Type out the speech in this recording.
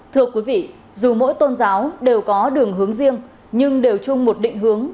thưa quý vị dù mỗi tôn giáo đều có đường hướng riêng nhưng đều chung một định hướng